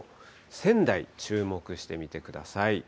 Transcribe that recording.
仙台、注目して見てください。